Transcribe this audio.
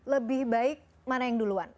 lebih baik mana yang duluan